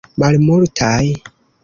Malmultaj.